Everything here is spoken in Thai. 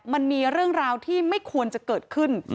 มันมีเรื่องราวที่ไม่ควรจะเกิดขึ้น